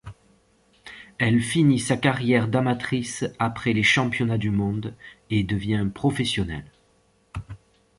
Elle finit sa carrière d'amatrice après les Championnats du Monde et devient professionnelle.